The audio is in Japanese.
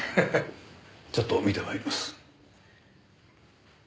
ちょっと見て参ります。